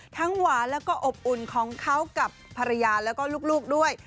ทั้งหวานและอบอุ่นของเขากับภรรยาและก็ลูกด้วย